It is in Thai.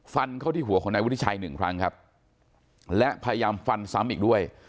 ฟันเข้าที่หัวของนายวุฒิชัยหนึ่งครั้งครับและพยายามฟันซ้ำอีกด้วย